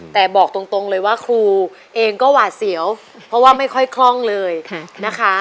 แต่บอกตรงเลยว่าครูเองก็หวาดเสียวเพราะว่าไม่ค่อยคล่องเลยนะคะ